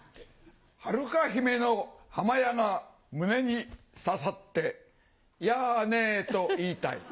はるか姫の破魔矢が胸に刺さってヤねと言いたい。